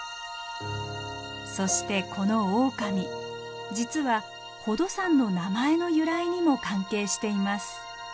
そしてこのオオカミ実は宝登山の名前の由来にも関係しています。